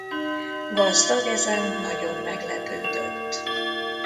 Gazdag ezen nagyon meglepődött.